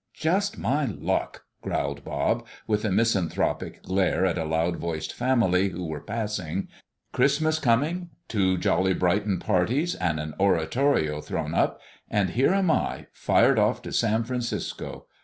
"Just my luck!" growled Bob, with a misanthropic glare at a loud voiced family who were passing; "Christmas coming, two jolly Brighton parties and an oratorio thrown up, and here am I, fired off to San Francisco.